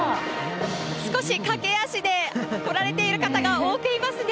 少し駆け足で来られている方が多くいますね。